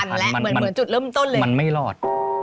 เหมือนจุดเริ่มต้นเลยนี่มันมันไม่รอด